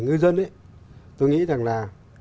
ngư dân ấy tôi nghĩ rằng là